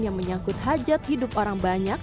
yang menyangkut hajat hidup orang banyak